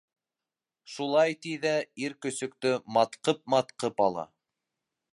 Шулай ти ҙә ир көсөктө матҡып-матҡып ала.